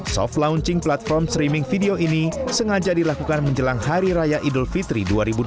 soft launching platform streaming video ini sengaja dilakukan menjelang hari raya idul fitri dua ribu dua puluh